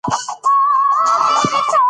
د قیامت لپاره له اوسه تیاری ونیسئ.